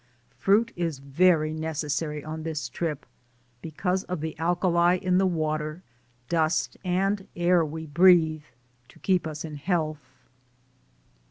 Fruit is very necessary on this trip, because of the alkali in the water, dust, and air we breathe, to keep us in health.